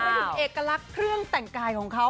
ดูเอกลักษณ์เครื่องแต่งกายของเขา